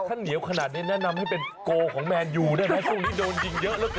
ถ้าเหนียวขนาดนี้แนะนำให้เป็นโกของแมนยูได้ไหมช่วงนี้โดนยิงเยอะเหลือเกิน